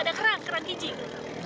ada kerang kerang kijing